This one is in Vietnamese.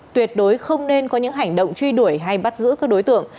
tuyệt đối không nên có những hành động truy đuổi hay bắt giữ các đối tượng